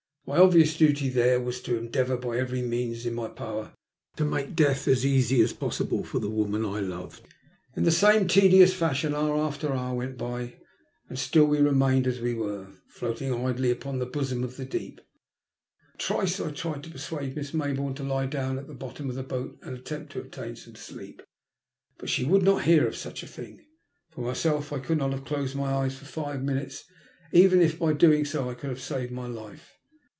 My obvious duty there was to endeavour by every means in my power to make death as easy as possible for the woman I loved. 193 TEE LUST OF HATE. In the same tedious fashion hour after hoar went by and still we remained as we were, floating idly upon the bosom of the deep. Twice I tried to persuade Miss Maybourne to lie down at the bottom of the boat and attempt to obtain some sleep, but she would not hear of such a thing. For myself I could not have , closed my eyes for five minutes, even if by doing so I could have saved my life.